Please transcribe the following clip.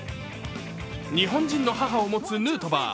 日本人の母を持つヌートバー。